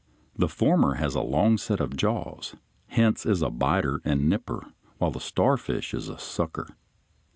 The former has a long set of jaws, hence is a biter and nipper, while the starfish is a sucker.